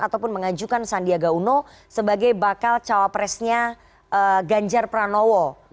ataupun mengajukan sandiaga uno sebagai bakal cawapresnya ganjar pranowo